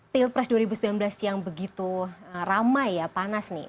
pilpres dua ribu sembilan belas yang begitu ramai ya panas nih